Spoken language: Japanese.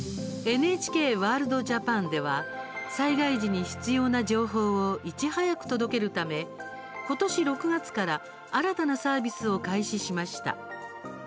ＮＨＫワールドＪＡＰＡＮでは災害時に必要な情報をいち早く届けるため今年６月から新たなサービスを開始しました。